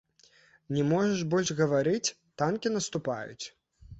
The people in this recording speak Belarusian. Не можаш больш гаварыць, танкі наступаюць?